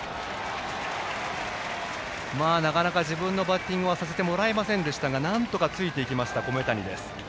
なかなか自分のバッティングはさせてもらえませんでしたがなんとかついていきました米谷。